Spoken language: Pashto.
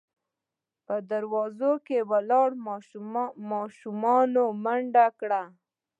په دروازه کې ولاړو ماشومانو منډه کړه.